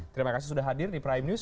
terima kasih sudah hadir di prime news